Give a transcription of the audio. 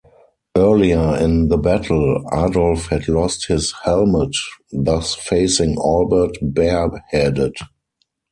Earlier in the battle, Adolf had lost his helmet, thus facing Albert bare-headed.